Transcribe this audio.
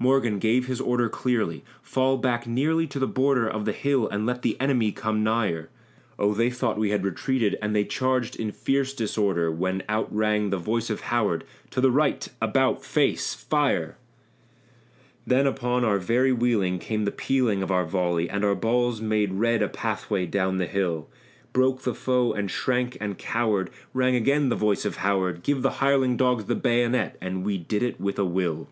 Morgan gave his order clearly "Fall back nearly to the border Of the hill and let the enemy come nigher!" Oh! they thought we had retreated, and they charged in fierce disorder, When out rang the voice of Howard "To the right about, face! Fire!" Then upon our very wheeling came the pealing of our volley, And our balls made red a pathway down the hill; Broke the foe and shrank and cowered; rang again the voice of Howard "Give the hireling dogs the bayonet!" and we did it with a will.